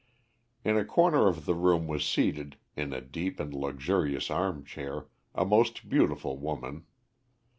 In a corner of the room was seated, in a deep and luxurious armchair, a most beautiful woman.